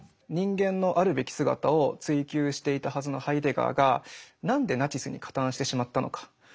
人間のあるべき姿を追究していたはずのハイデガーが何でナチスに加担してしまったのか。